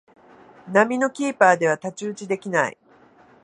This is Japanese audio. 並みのキーパーでは太刀打ちできない